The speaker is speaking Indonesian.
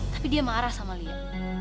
tapi dia marah sama lia